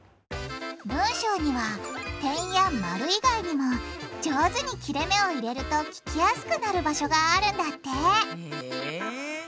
文章には点や丸以外にも上手に切れめを入れると聞きやすくなる場所があるんだってへぇ。